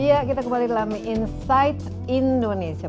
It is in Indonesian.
iya kita kembali dalam insight indonesia